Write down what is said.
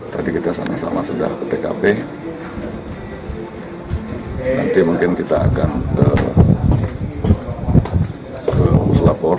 tadi kita sama sama sudah ke tkp nanti mungkin kita akan ke puslapor